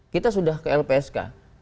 kita sudah ke lpsk